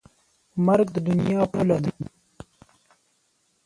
مرګ د دنیا پوله ده.